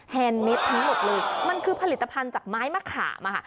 แนนมิตรทั้งหมดเลยมันคือผลิตภัณฑ์จากไม้มะขามอะค่ะ